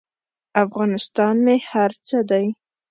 افغانستان مې هر څه دی.